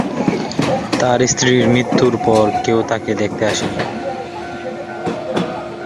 তার স্ত্রীর মৃত্যুর পর কেউ তাকে দেখতে আসে নি।